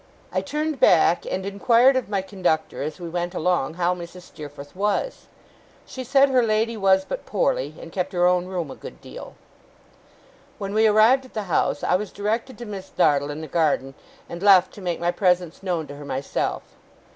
I turned back, and inquired of my conductor, as we went along, how Mrs. Steerforth was. She said her lady was but poorly, and kept her own room a good deal. When we arrived at the house, I was directed to Miss Dartle in the garden, and left to make my presence known to her myself.